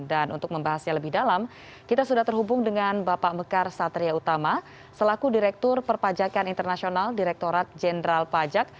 dan untuk membahasnya lebih dalam kita sudah terhubung dengan bapak mekar satria utama selaku direktur perpajakan internasional direktorat jenderal pajak